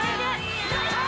やったー！